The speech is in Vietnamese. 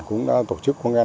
cũng đã tổ chức